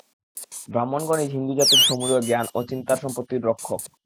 ব্রাহ্মণগণই হিন্দুজাতির সমুদয় জ্ঞান ও চিন্তা-সম্পত্তির রক্ষক।